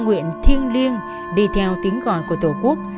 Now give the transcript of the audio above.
nguyện thiêng liêng đi theo tiếng gọi của tổ quốc